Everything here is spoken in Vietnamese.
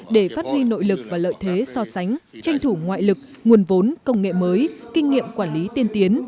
để phát huy nội lực và lợi thế so sánh tranh thủ ngoại lực nguồn vốn công nghệ mới kinh nghiệm quản lý tiên tiến